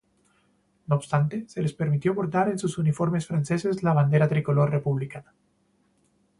No obstante, se les permitió bordar en sus uniformes franceses la bandera tricolor republicana.